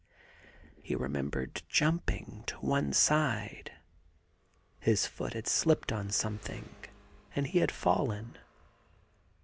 He re membered jumping to one side. His foot had slipped on something, and he had fallen.